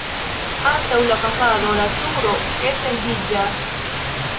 Antaŭ la fasado la turo etendiĝas.